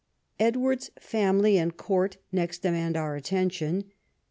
Edward's family and court next demand our attention.